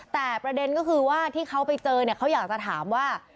แต่ประเด็นก็คือว่าที่เขาไปเจอเนี่ยเขาอยากจะถามว่า